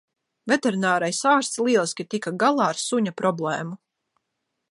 Veterinārais ārsts lieliski tika galā ar suņa problēmu